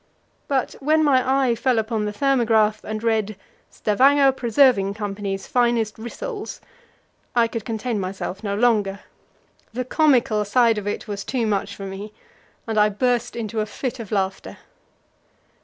But when my eye fell upon the thermograph and read, "Stavanger Preserving Co.'s finest rissoles," I could contain myself no longer. The comical side of it was too much for me, and I burst into a fit of laughter.